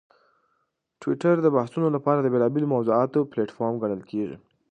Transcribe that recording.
ټویټر د بحثونو لپاره د بېلابېلو موضوعاتو پلیټفارم ګڼل کېږي.